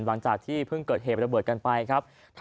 หลังจากที่เพิ่งเกิดเหตุระเบิดกันไปครับ